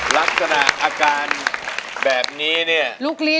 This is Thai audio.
ลักษณะอาการแบบนี้เนี่ย